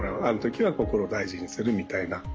ある時は心を大事にするみたいな。